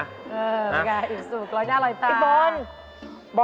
เออไม่ง่ายอิ่มสุกรอยหน้ารอยตาอีบบอล